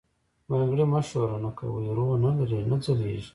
بنګړي مي شورنه کوي، روح نه لری، نه ځلیږي